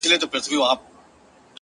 پرېږده چي نور په سره ناسور بدل سي،